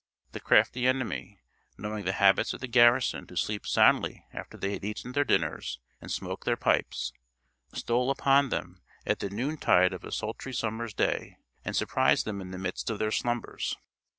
The crafty enemy, knowing the habits of the garrison to sleep soundly after they had eaten their dinners and smoked their pipes, stole upon them at the noonstide of a sultry summer's day, and surprised them in the midst of their slumbers.